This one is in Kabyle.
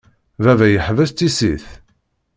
Baba yeḥbes tissit.